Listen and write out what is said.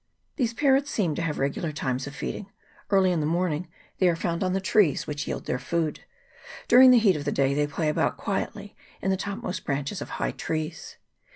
These parrots seem to have regular times of feeding : early in the morning they are found on the trees which yield their food. During the heat of the day they play about quietly in the topmost branches of high trees.